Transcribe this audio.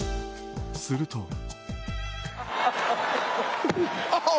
すると。